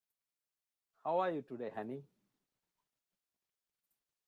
How are you today honey?